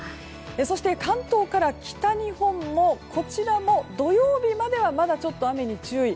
そして関東から北日本も土曜日まではまだちょっと雨に注意。